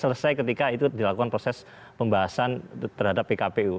selesai ketika itu dilakukan proses pembahasan terhadap pkpu